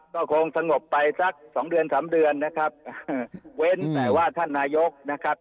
ก็คงสงบไปสักสองเดือนสามเดือนนะครับเว้นแต่ว่าท่านนายกนะครับ